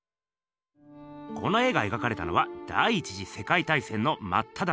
この絵が描かれたのは第１次世界大戦のまっただ中。